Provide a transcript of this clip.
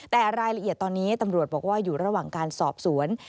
แต่รายละเอียดตอนนี้ตำรวจบอกว่าอยู่ระหว่างการสอบสวน